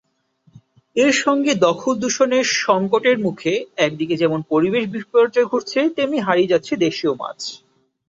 এর সঙ্গে দখল-দূষণে সংকটের মুখে একদিকে যেমন পরিবেশ বিপর্যয় ঘটছে, তেমনি হারিয়ে যাচ্ছে দেশীয় মাছ।